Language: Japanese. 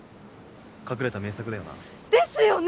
隠れた名作だよなですよね！